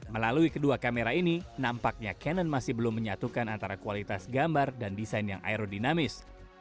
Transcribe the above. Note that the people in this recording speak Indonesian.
melalui kedua kamera ini nampaknya canon masih belum menyatukan antara kualitas gambar dan desain yang aerodinamis